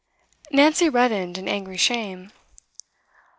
Nancy reddened in angry shame.